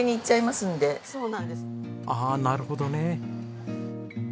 ああなるほどね。